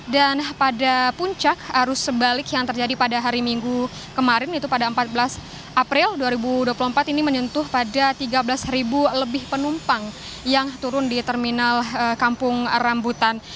dan pada puncak harus sebalik yang terjadi pada hari minggu kemarin itu pada empat belas april dua ribu dua puluh empat ini menyentuh pada tiga belas lebih penumpang yang turun di terminal kampung rambutan